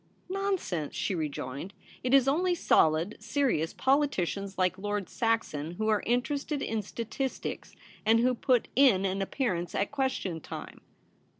* Nonsense!' she rejoined ;' it is only solid, serious politicians like Lord Saxon who are interested in statistics, and who put in an appearance at question time.